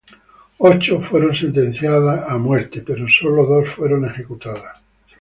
Ocho fueron sentenciadas a muerte pero sólo dos fueron ejecutadas.